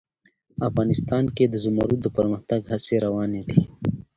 افغانستان کې د زمرد د پرمختګ هڅې روانې دي.